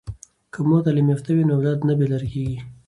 که مور تعلیم یافته وي نو اولاد نه بې لارې کیږي.